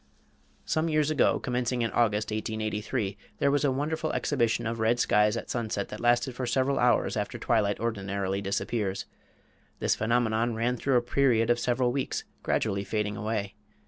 Some years ago, commencing in August, 1883, there was a wonderful exhibition of red skies at sunset that lasted for several hours after twilight ordinarily disappears. This phenomenon ran through a period of several weeks, gradually fading away.